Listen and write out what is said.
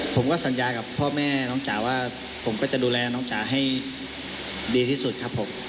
ผมก็สัญญากับพ่อแม่น้องจ๋าว่าผมก็จะดูแลน้องจ๋าให้ดีที่สุดครับผม